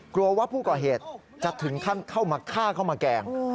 กลัวว่าผู้ก่อเหตุจะถึงขั้นเข้ามาฆ่าเข้ามาแกล้ง